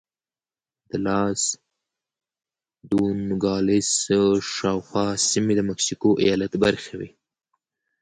د لاس دو نوګالس شاوخوا سیمې د مکسیکو ایالت برخه وې.